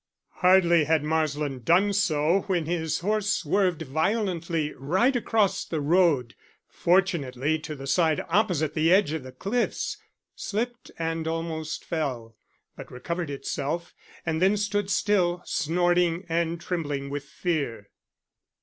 Hardly had Marsland done so when his horse swerved violently right across the road fortunately to the side opposite the edge of the cliffs slipped and almost fell, but recovered itself and then stood still, snorting and trembling with fear.